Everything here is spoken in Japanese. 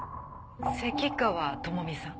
関川朋美さん？